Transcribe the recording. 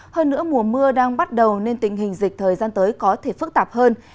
hơn nữa mùa mưa đang bắt đầu nên tình hình dịch thời gian tới có thể phức tạp hơn